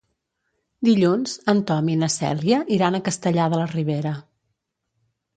Dilluns en Tom i na Cèlia iran a Castellar de la Ribera.